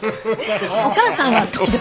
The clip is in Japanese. お母さんは時々。